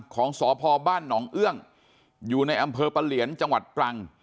ของสพบ้านหนองเอื้องอยู่ในอำเภอปะเหลียนจังหวัดตรัง